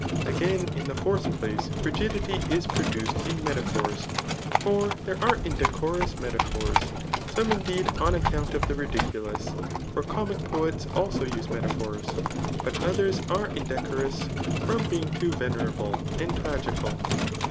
Again, in the fourth place, frigidity is produced in metaphors. For there are Indecorous metaphors, some indeed, on account of. the ridiculous; for comic poets also use metaphors. But others are indecorous from being too venerable and tragical.